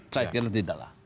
saya kira tidak lah